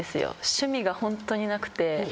趣味がホントになくて。